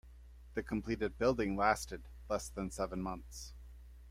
The completed building lasted less than seven months.